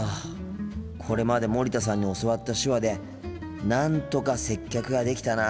これまで森田さんに教わった手話でなんとか接客ができたなあ。